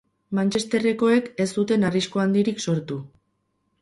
Manchesterrekoek ez zuten arrisku handitik sortu.